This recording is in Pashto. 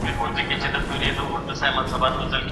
تر واده مخکي پوښتني کول عیب نه دی.